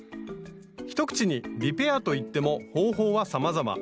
一口にリペアと言っても方法はさまざま。